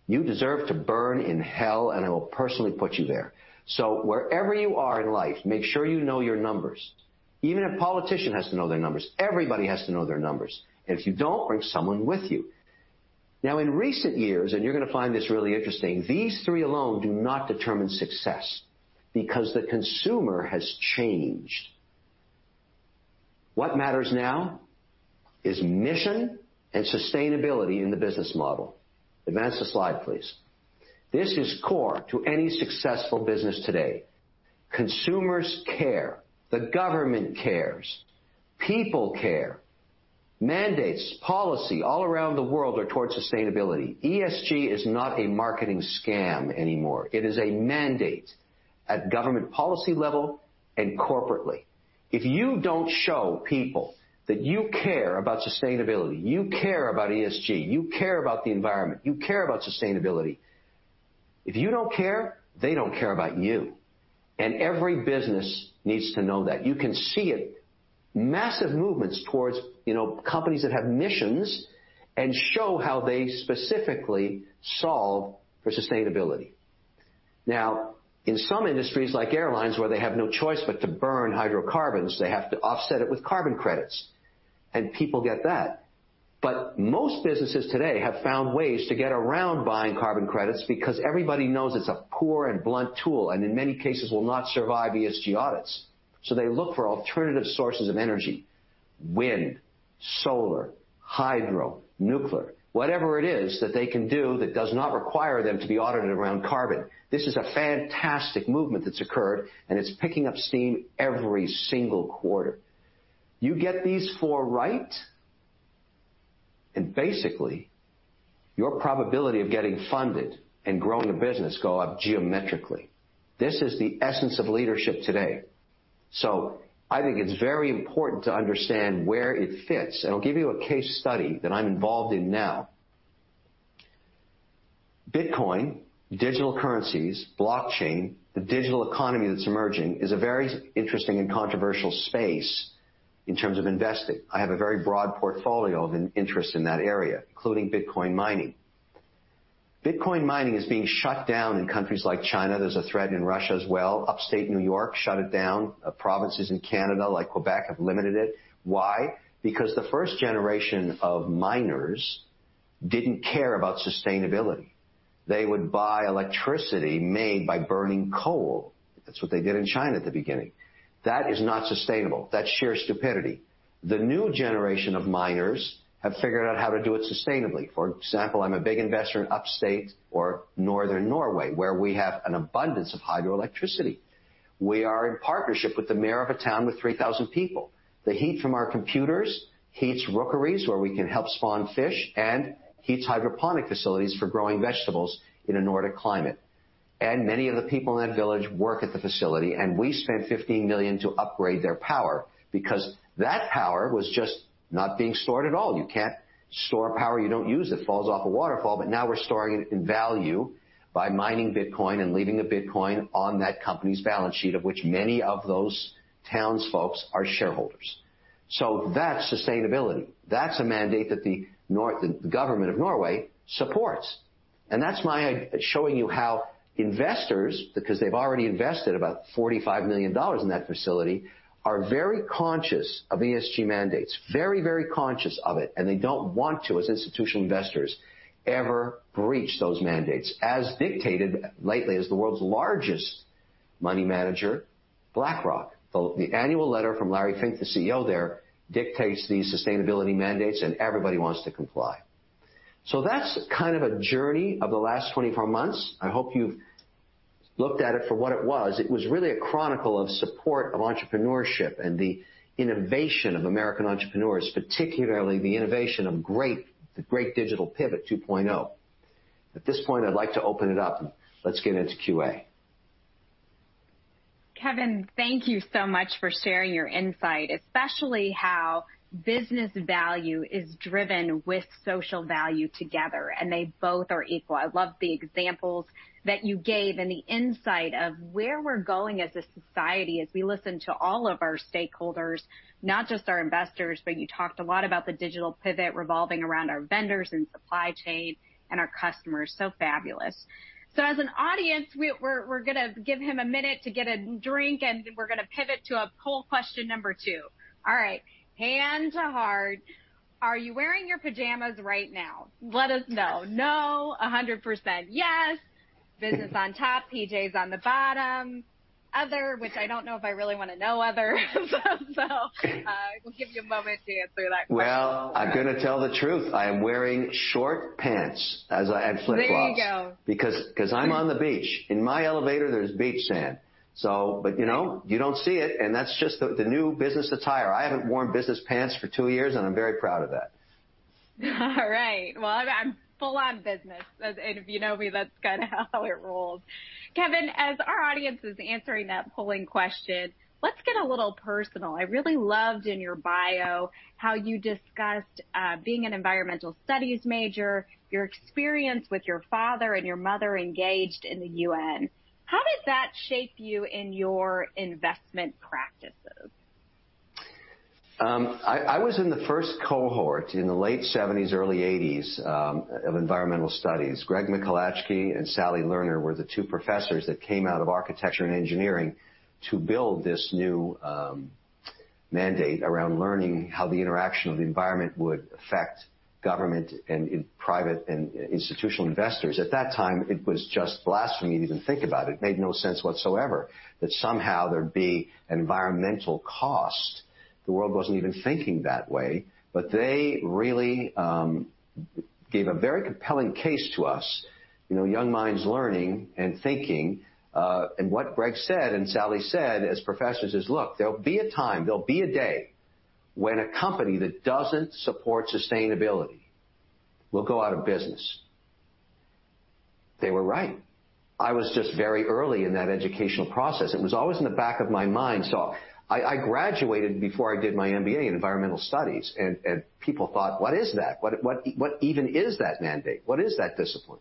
you deserve to burn in hell, and I will personally put you there. So wherever you are in life, make sure you know your numbers. Even a politician has to know their numbers. Everybody has to know their numbers, and if you don't, bring someone with you. Now, in recent years, and you're going to find this really interesting, these three alone do not determine success because the consumer has changed. What matters now is mission and sustainability in the business model. Advance the slide, please. This is core to any successful business today. Consumers care. The government cares. People care. Mandates, policy all around the world are toward sustainability. ESG is not a marketing scam anymore. It is a mandate at government policy level and corporately. If you don't show people that you care about sustainability, you care about ESG, you care about the environment, you care about sustainability, if you don't care, they don't care about you, and every business needs to know that. You can see massive movements towards companies that have missions and show how they specifically solve for sustainability. Now, in some industries, like airlines, where they have no choice but to burn hydrocarbons, they have to offset it with carbon credits, and people get that, but most businesses today have found ways to get around buying carbon credits because everybody knows it's a poor and blunt tool and, in many cases, will not survive ESG audits. So they look for alternative sources of energy: wind, solar, hydro, nuclear, whatever it is that they can do that does not require them to be audited around carbon. This is a fantastic movement that's occurred. And it's picking up steam every single quarter. You get these four right, and basically, your probability of getting funded and growing a business go up geometrically. This is the essence of leadership today. So I think it's very important to understand where it fits. And I'll give you a case study that I'm involved in now. Bitcoin, digital currencies, blockchain, the digital economy that's emerging is a very interesting and controversial space in terms of investing. I have a very broad portfolio of interest in that area, including Bitcoin mining. Bitcoin mining is being shut down in countries like China. There's a threat in Russia as well. Upstate New York shut it down. Provinces in Canada, like Québec, have limited it. Why? Because the first generation of miners didn't care about sustainability. They would buy electricity made by burning coal. That's what they did in China at the beginning. That is not sustainable. That's sheer stupidity. The new generation of miners have figured out how to do it sustainably. For example, I'm a big investor in upstate or northern Norway, where we have an abundance of hydroelectricity. We are in partnership with the mayor of a town with 3,000 people. The heat from our computers heats rookeries where we can help spawn fish and heats hydroponic facilities for growing vegetables in a Nordic climate, and many of the people in that village work at the facility, and we spent $15 million to upgrade their power because that power was just not being stored at all. You can't store power you don't use. It falls off a waterfall, but now we're storing it in value by mining Bitcoin and leaving the Bitcoin on that company's balance sheet, of which many of those townsfolks are shareholders, so that's sustainability. That's a mandate that the government of Norway supports, and that's my showing you how investors, because they've already invested about $45 million in that facility, are very conscious of ESG mandates, very, very conscious of it. And they don't want to, as institutional investors, ever breach those mandates as dictated lately as the world's largest money manager, BlackRock. The annual letter from Larry Fink, the CEO there, dictates these sustainability mandates, and everybody wants to comply, so that's kind of a journey of the last 24 months. I hope you've looked at it for what it was. It was really a chronicle of support of entrepreneurship and the innovation of American entrepreneurs, particularly the innovation of the great digital pivot 2.0. At this point, I'd like to open it up and let's get into QA. Kevin, thank you so much for sharing your insight, especially how business value is driven with social value together, and they both are equal. I love the examples that you gave and the insight of where we're going as a society as we listen to all of our stakeholders, not just our investors, but you talked a lot about the digital pivot revolving around our vendors and supply chain and our customers. So fabulous, so as an audience, we're going to give him a minute to get a drink, and we're going to pivot to a poll question number two. All right, hand to heart. Are you wearing your pajamas right now? Let us know. No, 100%. Yes, business on top, PJ's on the bottom, other, which I don't know if I really want to know other. So we'll give you a moment to answer that question. Well, I'm going to tell the truth. I am wearing short pants and flip flops. There you go. Because I'm on the beach. In my elevator, there's beach sand. But you don't see it, and that's just the new business attire. I haven't worn business pants for two years, and I'm very proud of that. All right. Well, I'm full-on business, and if you know me, that's kind of how it rolls. Kevin, as our audience is answering that polling question, let's get a little personal. I really loved in your bio how you discussed being an environmental studies major, your experience with your father and your mother engaged in the UN. How did that shape you in your investment practices? I was in the first cohort in the late 1970s, early 1980s of environmental studies. Greg Michalenko and Sally Lerner were the two professors that came out of architecture and engineering to build this new mandate around learning how the interaction of the environment would affect government and private and institutional investors. At that time, it was just blasphemy to even think about it. It made no sense whatsoever that somehow there'd be an environmental cost. The world wasn't even thinking that way. But they really gave a very compelling case to us, young minds learning and thinking. And what Greg said and Sally said as professors is, look, there'll be a time, there'll be a day when a company that doesn't support sustainability will go out of business. They were right. I was just very early in that educational process. It was always in the back of my mind. So I graduated before I did my MBA in Environmental Studies. And people thought, what is that? What even is that major? What is that discipline?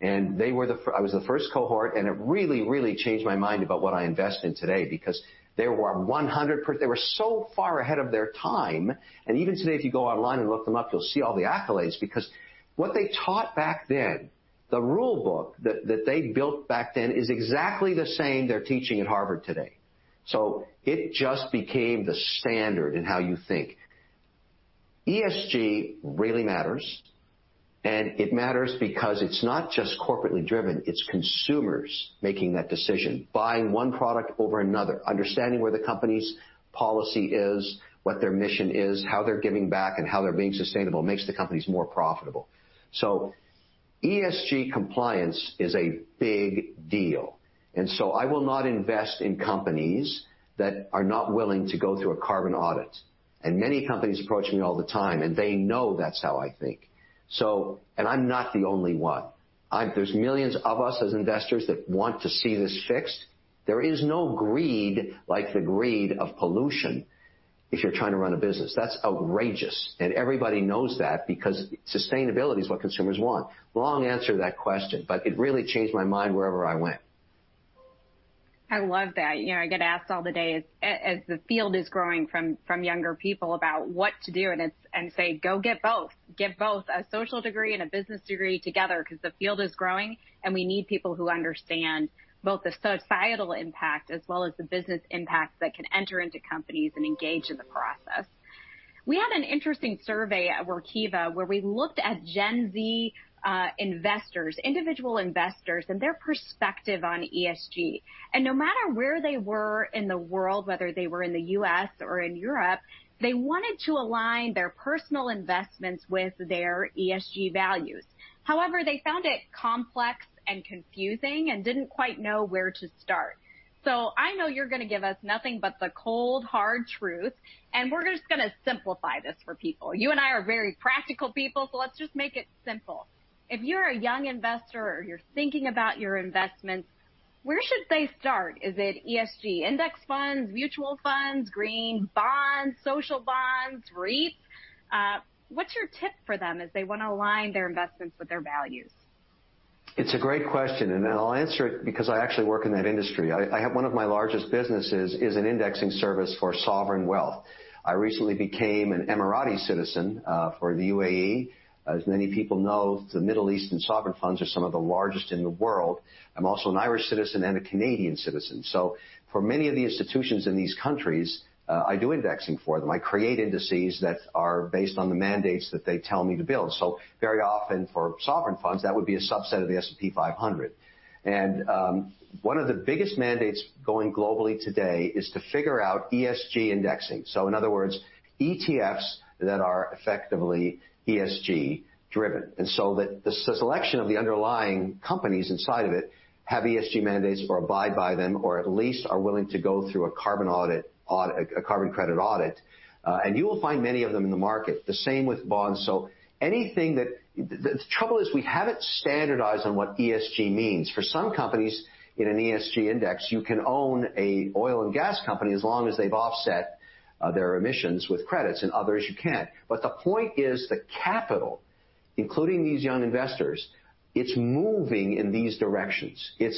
And I was the first cohort. And it really, really changed my mind about what I invest in today because they were 100%. They were so far ahead of their time. And even today, if you go online and look them up, you'll see all the accolades. Because what they taught back then, the rulebook that they built back then is exactly the same they're teaching at Harvard today. So it just became the standard in how you think. ESG really matters. And it matters because it's not just corporately driven. It's consumers making that decision, buying one product over another, understanding where the company's policy is, what their mission is, how they're giving back, and how they're being sustainable makes the companies more profitable, so ESG compliance is a big deal, and so I will not invest in companies that are not willing to go through a carbon audit, and many companies approach me all the time, and they know that's how I think, and I'm not the only one. There's millions of us as investors that want to see this fixed. There is no greed like the greed of pollution if you're trying to run a business. That's outrageous, and everybody knows that because sustainability is what consumers want. Long answer to that question, but it really changed my mind wherever I went. I love that. You know I get asked all the time, as the field is growing from younger people, about what to do. And I say, go get both. Get both a social degree and a business degree together because the field is growing. And we need people who understand both the societal impact as well as the business impact that can enter into companies and engage in the process. We had an interesting survey at Workiva where we looked at Gen Z investors, individual investors, and their perspective on ESG. And no matter where they were in the world, whether they were in the U.S. or in Europe, they wanted to align their personal investments with their ESG values. However, they found it complex and confusing and didn't quite know where to start. So I know you're going to give us nothing but the cold, hard truth. We're just going to simplify this for people. You and I are very practical people. Let's just make it simple. If you're a young investor or you're thinking about your investments, where should they start? Is it ESG index funds, mutual funds, green bonds, social bonds, REITs? What's your tip for them as they want to align their investments with their values? It's a great question. I'll answer it because I actually work in that industry. One of my largest businesses is an indexing service for sovereign wealth. I recently became an Emirati citizen for the UAE. As many people know, the Middle East and sovereign funds are some of the largest in the world. I'm also an Irish citizen and a Canadian citizen. For many of the institutions in these countries, I do indexing for them. I create indices that are based on the mandates that they tell me to build. So very often, for sovereign funds, that would be a subset of the S&P 500. And one of the biggest mandates going globally today is to figure out ESG indexing. So in other words, ETFs that are effectively ESG driven. And so that the selection of the underlying companies inside of it have ESG mandates or abide by them or at least are willing to go through a carbon credit audit. And you will find many of them in the market, the same with bonds. So the trouble is we haven't standardized on what ESG means. For some companies in an ESG index, you can own an oil and gas company as long as they've offset their emissions with credits. And others, you can't. But the point is the capital, including these young investors, it's moving in these directions. And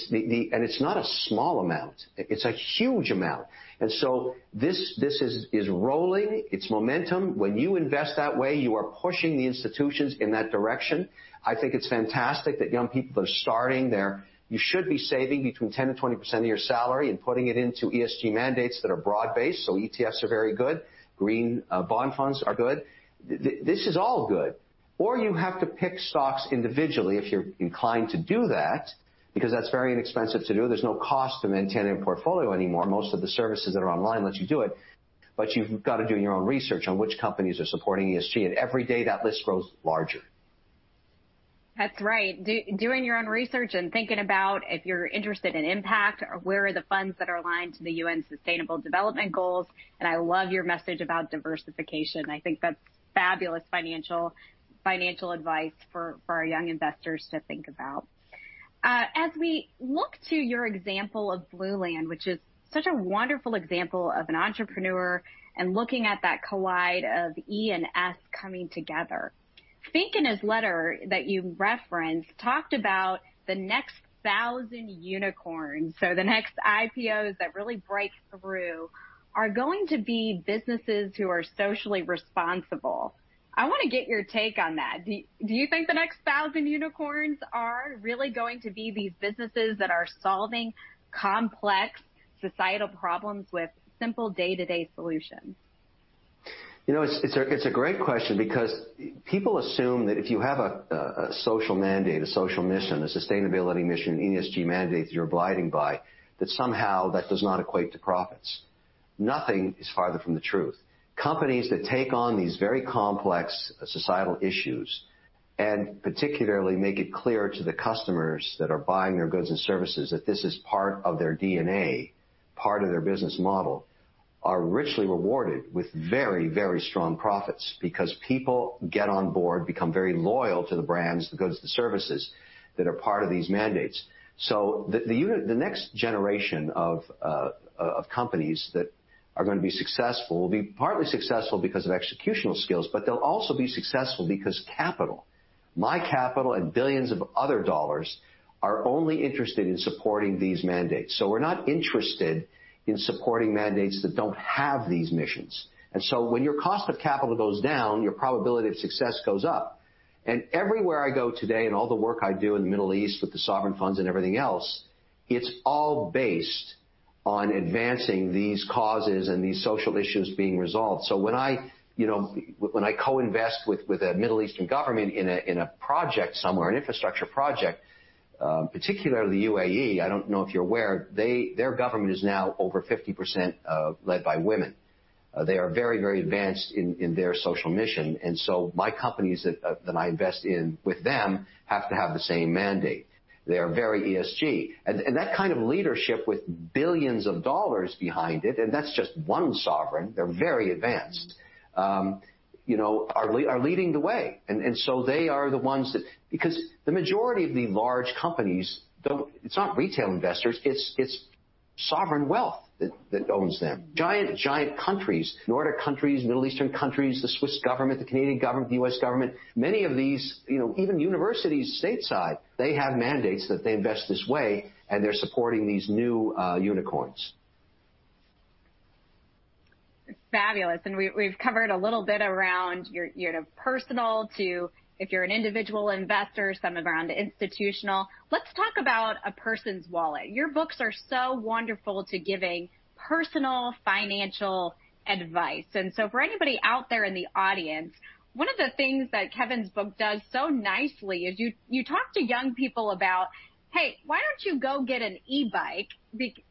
it's not a small amount. It's a huge amount. And so this is rolling. It's momentum. When you invest that way, you are pushing the institutions in that direction. I think it's fantastic that young people are starting there. You should be saving between 10% and 20% of your salary and putting it into ESG mandates that are broad-based. So ETFs are very good. Green bond funds are good. This is all good. Or you have to pick stocks individually if you're inclined to do that because that's very inexpensive to do. There's no cost to maintain a portfolio anymore. Most of the services that are online let you do it. But you've got to do your own research on which companies are supporting ESG. And every day, that list grows larger. That's right. Doing your own research and thinking about if you're interested in impact, where are the funds that are aligned to the UN Sustainable Development Goals? I love your message about diversification. I think that's fabulous financial advice for our young investors to think about. As we look to your example of Blueland, which is such a wonderful example of an entrepreneur and looking at that collision of E and S coming together, Fink in his letter that you referenced talked about the next 1,000 unicorns, so the next IPOs that really break through are going to be businesses who are socially responsible. I want to get your take on that. Do you think the next 1,000 unicorns are really going to be these businesses that are solving complex societal problems with simple day-to-day solutions? You know, it's a great question because people assume that if you have a social mandate, a social mission, a sustainability mission, an ESG mandate that you're abiding by, that somehow that does not equate to profits. Nothing is farther from the truth. Companies that take on these very complex societal issues and particularly make it clear to the customers that are buying their goods and services that this is part of their DNA, part of their business model are richly rewarded with very, very strong profits because people get on board, become very loyal to the brands, the goods, the services that are part of these mandates. So the next generation of companies that are going to be successful will be partly successful because of executional skills. But they'll also be successful because capital, my capital and billions of other dollars are only interested in supporting these mandates. We're not interested in supporting mandates that don't have these missions. And so when your cost of capital goes down, your probability of success goes up. And everywhere I go today and all the work I do in the Middle East with the sovereign funds and everything else, it's all based on advancing these causes and these social issues being resolved. So when I co-invest with a Middle Eastern government in a project somewhere, an infrastructure project, particularly the UAE, I don't know if you're aware, their government is now over 50% led by women. They are very, very advanced in their social mission. And so my companies that I invest in with them have to have the same mandate. They are very ESG. And that kind of leadership with billions of dollars behind it, and that's just one sovereign, they're very advanced, are leading the way. And so they are the ones that, because the majority of the large companies, it's not retail investors. It's sovereign wealth that owns them. Giant, giant countries, Nordic countries, Middle Eastern countries, the Swiss government, the Canadian government, the U.S. government, many of these, even universities stateside, they have mandates that they invest this way. And they're supporting these new unicorns. Fabulous. And we've covered a little bit around your personal, too, if you're an individual investor, some around institutional. Let's talk about a person's wallet. Your books are so wonderful at giving personal financial advice. And so for anybody out there in the audience, one of the things that Kevin's book does so nicely is you talk to young people about, hey, why don't you go get an e-bike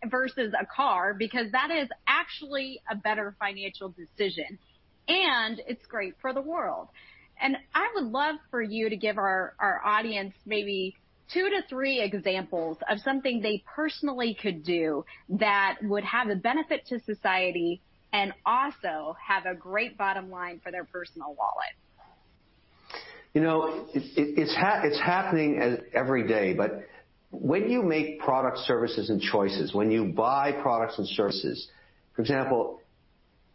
versus a car because that is actually a better financial decision. And it's great for the world. And I would love for you to give our audience maybe two to three examples of something they personally could do that would have a benefit to society and also have a great bottom line for their personal wallet. You know, it's happening every day. But when you make product services and choices, when you buy products and services, for example,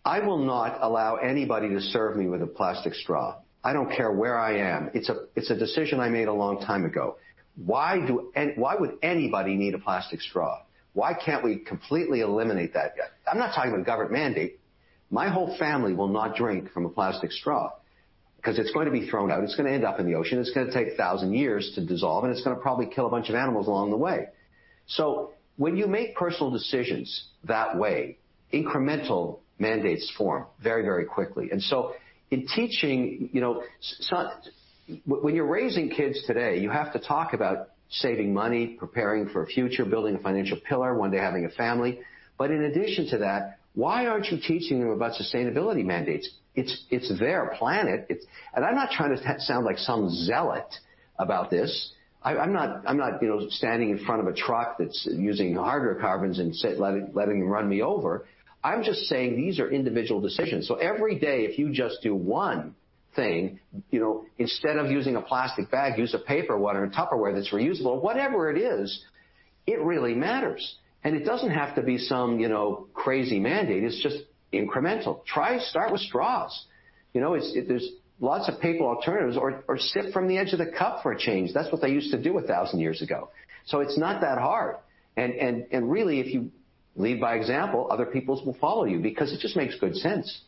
I will not allow anybody to serve me with a plastic straw. I don't care where I am. It's a decision I made a long time ago. Why would anybody need a plastic straw? Why can't we completely eliminate that yet? I'm not talking about a government mandate. My whole family will not drink from a plastic straw because it's going to be thrown out. It's going to end up in the ocean. It's going to take 1,000 years to dissolve. It's going to probably kill a bunch of animals along the way. So when you make personal decisions that way, incremental mandates form very, very quickly. In teaching, when you're raising kids today, you have to talk about saving money, preparing for a future, building a financial pillar, one day having a family. But in addition to that, why aren't you teaching them about sustainability mandates? It's their planet. I'm not trying to sound like some zealot about this. I'm not standing in front of a truck that's using harder carbons and letting them run me over. I'm just saying these are individual decisions. So every day, if you just do one thing, instead of using a plastic bag, use a paper one or a Tupperware that's reusable, whatever it is, it really matters. It doesn't have to be some crazy mandate. It's just incremental. Try to start with straws. There's lots of paper alternatives or sip from the edge of the cup for a change. That's what they used to do 1,000 years ago. So it's not that hard. And really, if you lead by example, other people will follow you because it just makes good sense.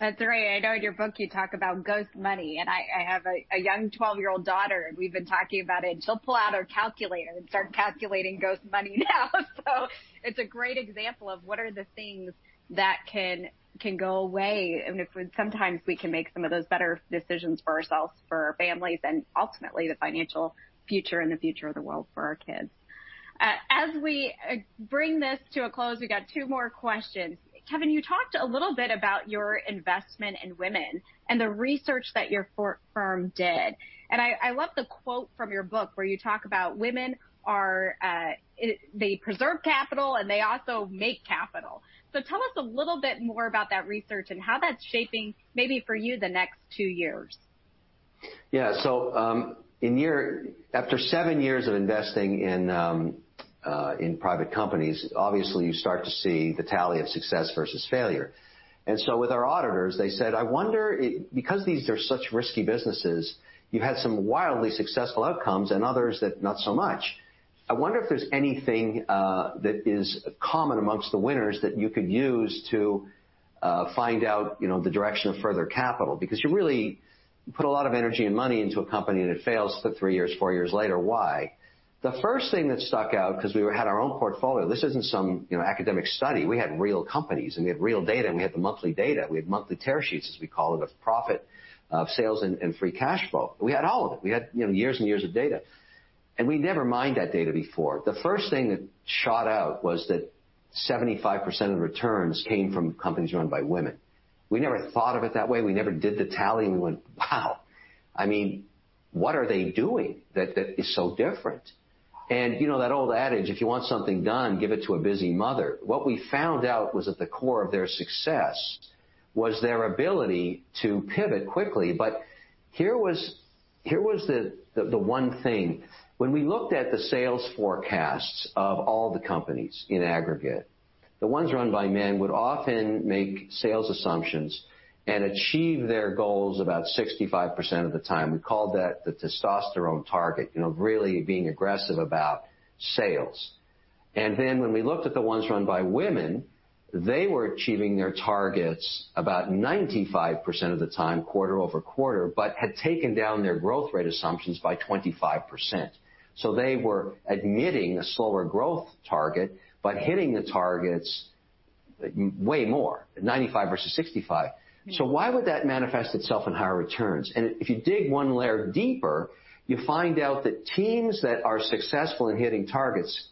That's right. I know in your book you talk about ghost money. And I have a young 12-year-old daughter. And we've been talking about it. And she'll pull out her calculator and start calculating ghost money now. So it's a great example of what are the things that can go away. And sometimes we can make some of those better decisions for ourselves, for our families, and ultimately the financial future and the future of the world for our kids. As we bring this to a close, we've got two more questions. Kevin, you talked a little bit about your investment in women and the research that your firm did, and I love the quote from your book where you talk about women, they preserve capital and they also make capital, so tell us a little bit more about that research and how that's shaping maybe for you the next two years. Yeah, so after seven years of investing in private companies, obviously you start to see the tally of success versus failure, and so with our auditors, they said, I wonder because these are such risky businesses, you've had some wildly successful outcomes and others that not so much. I wonder if there's anything that is common amongst the winners that you could use to find out the direction of further capital because you really put a lot of energy and money into a company and it fails for three years, four years later. Why? The first thing that stuck out because we had our own portfolio. This isn't some academic study. We had real companies, and we had real data, and we had the monthly data. We had monthly tear sheets, as we call it, of profit, of sales, and free cash flow. We had all of it. We had years and years of data, and we'd never mined that data before. The first thing that shot out was that 75% of returns came from companies run by women. We never thought of it that way. We never did the tally, and we went, wow. I mean, what are they doing that is so different? And you know that old adage, if you want something done, give it to a busy mother. What we found out was at the core of their success was their ability to pivot quickly. But here was the one thing. When we looked at the sales forecasts of all the companies in aggregate, the ones run by men would often make sales assumptions and achieve their goals about 65% of the time. We called that the testosterone target, really being aggressive about sales. And then when we looked at the ones run by women, they were achieving their targets about 95% of the time, quarter over quarter, but had taken down their growth rate assumptions by 25%. So they were admitting a slower growth target but hitting the targets way more, 95% versus 65%. So why would that manifest itself in higher returns? And if you dig one layer deeper, you find out that teams that are successful in hitting targets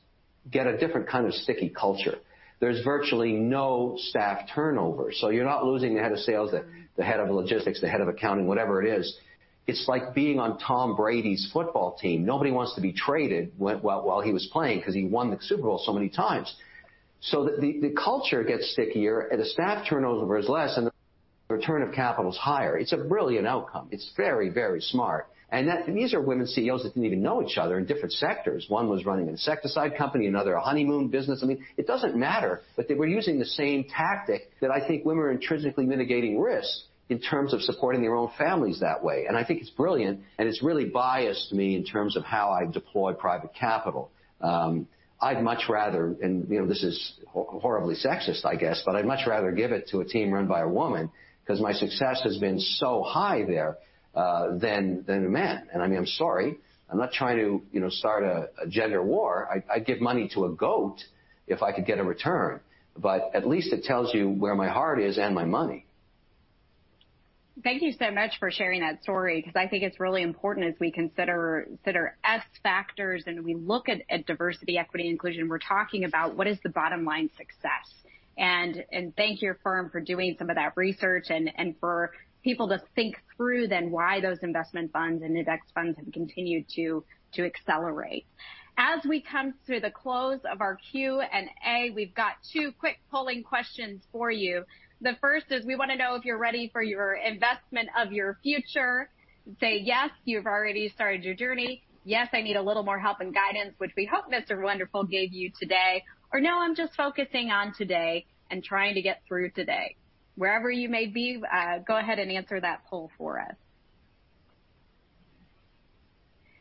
get a different kind of sticky culture. There's virtually no staff turnover. So you're not losing the head of sales, the head of logistics, the head of accounting, whatever it is. It's like being on Tom Brady's football team. Nobody wants to be traded while he was playing because he won the Super Bowl so many times. So the culture gets stickier. And the staff turnover is less. And the return of capital is higher. It's a brilliant outcome. It's very, very smart. And these are women CEOs that didn't even know each other in different sectors. One was running an insecticide company. Another, a honeymoon business. I mean, it doesn't matter. They were using the same tactic that I think women are intrinsically mitigating risk in terms of supporting their own families that way. I think it's brilliant. It's really biased to me in terms of how I deploy private capital. I'd much rather, and this is horribly sexist, I guess, give it to a team run by a woman because my success has been so high there than a man. I mean, I'm sorry. I'm not trying to start a gender war. I'd give money to a goat if I could get a return. At least it tells you where my heart is and my money. Thank you so much for sharing that story because I think it's really important as we consider S factors and we look at diversity, equity, and inclusion. We're talking about what is the bottom line success. And thank your firm for doing some of that research and for people to think through then why those investment funds and index funds have continued to accelerate. As we come to the close of our Q&A, we've got two quick polling questions for you. The first is we want to know if you're ready for your investment of your future. Say yes, you've already started your journey. Yes, I need a little more help and guidance, which we hope Mr. Wonderful gave you today. Or no, I'm just focusing on today and trying to get through today. Wherever you may be, go ahead and answer that poll for us.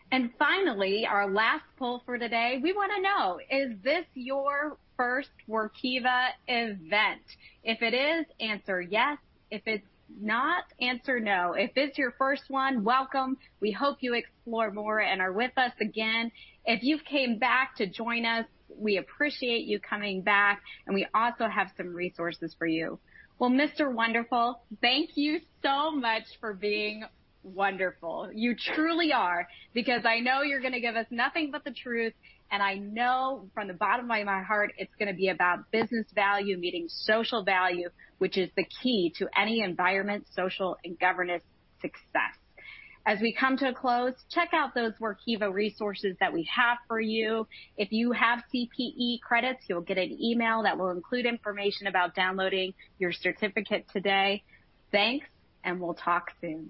And finally, our last poll for today, we want to know, is this your first Workiva event? If it is, answer yes. If it's not, answer no. If it's your first one, welcome. We hope you explore more and are with us again. If you came back to join us, we appreciate you coming back, and we also have some resources for you. Mr. Wonderful, thank you so much for being wonderful. You truly are because I know you're going to give us nothing but the truth. I know from the bottom of my heart it's going to be about business value meeting social value, which is the key to any environmental, social, and governance success. As we come to a close, check out those Workiva resources that we have for you. If you have CPE credits, you'll get an email that will include information about downloading your certificate today. Thanks, and we'll talk soon.